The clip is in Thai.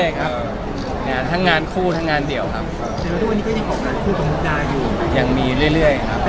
มีมีมีมีมีมีมีมีมีมีมีมีมีมีมีมีมีมีมีมี